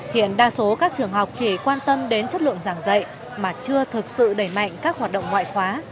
hiện đa số các trường học chỉ quan tâm đến chất lượng giảng dạy mà chưa thực sự đẩy mạnh các hoạt động ngoại khóa